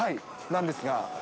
なんですが。